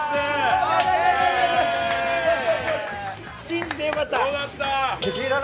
信じてよかった。